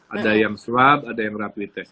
ada yang swab ada yang rapid test